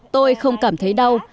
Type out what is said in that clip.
tôi không cảm thấy đau